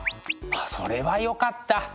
それはよかった。